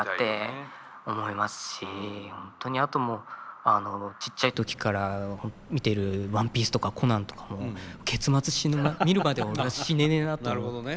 本当にあとちっちゃい時から見てる「ＯＮＥＰＩＥＣＥ」とか「コナン」とかも結末見るまでは俺は死ねねえなと思って。